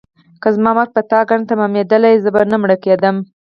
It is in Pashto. که زما مرګ په تا ګران تمامېدلی زه به نه مړه کېدم.